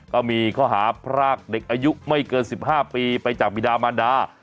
ก็มีข้อหาพรากเด็กอายุไม่เกิน๑๕ปีไปจากบิดามันดา